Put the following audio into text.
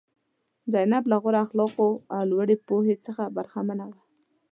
زینب له غوره اخلاقو او لوړې پوهې څخه برخمنه وه.